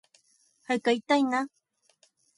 早く会いたいな